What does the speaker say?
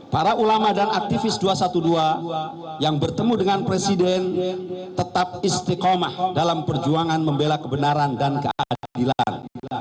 para ulama dan aktivis dua ratus dua belas yang bertemu dengan presiden tetap istiqomah dalam perjuangan membela kebenaran dan keadilan